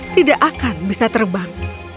tidak akan bisa terbang